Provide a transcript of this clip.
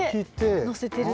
のせてる。